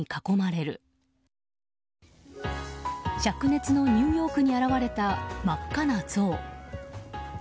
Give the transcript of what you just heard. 灼熱のニューヨークに現れた真っ赤な像。